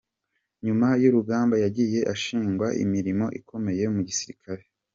Nyuma y'urugamba yagiye ashingwa imirimo ikomeye mu gisirikare.